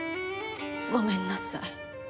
ごめんなさい。